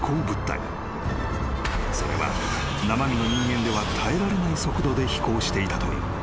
［それは生身の人間では耐えられない速度で飛行していたという。